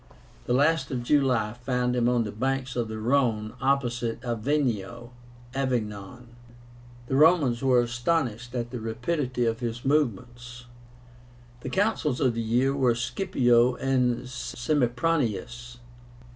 The last of July found him on the banks of the Rhone, opposite Avenio (Avignon). The Romans were astonished at the rapidity of his movements. The Consuls of the year were SCIPIO and SEMPRONIUS.